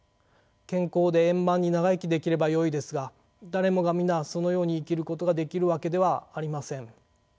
健康で円満に長生きできればよいですが誰もが皆そのように生きることができるわけではありません。